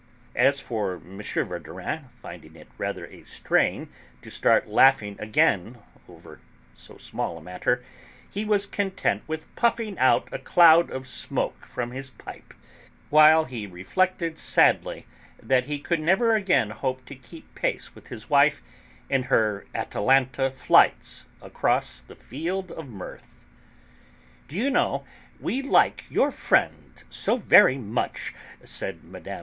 As for M. Verdurin, finding it rather a strain to start laughing again over so small a matter, he was content with puffing out a cloud of smoke from his pipe, while he reflected sadly that he could never again hope to keep pace with his wife in her Atalanta flights across the field of mirth. "D'you know; we like your friend so very much," said Mme.